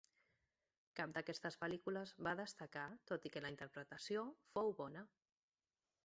Cap d'aquestes pel·lícules va destacar tot i que la interpretació fou bona.